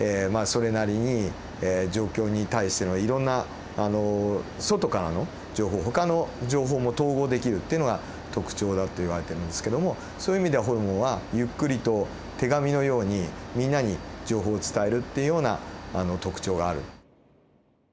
それなりに状況に対してのいろんな外からの情報ほかの情報も統合できるっていうのが特徴だといわれてるんですけどもそういう意味ではホルモンはゆっくりと手紙のようにみんなに情報を伝えるっていうような特徴がある。